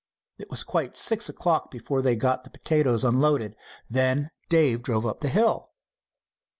It was quite six o'clock before they got the potatoes unloaded. Then Dave drove up the hill.